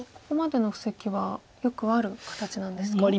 ここまでの布石はよくある形なんですか？